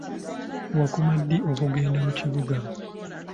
Wakoma ddi okugenda mu kibuga?